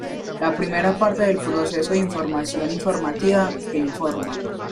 La primera parte de el proceso de información informativa que informa.